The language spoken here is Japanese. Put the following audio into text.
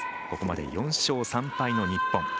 ここまで４勝３敗の日本。